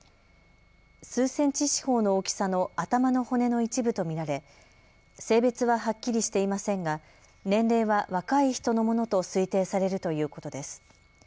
数センチ四方の大きさの頭の骨の一部と見られ性別ははっきりしていませんが年齢は若い人のものと推定されるということです。